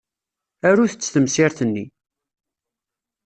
Arut-tt temsirt-nni.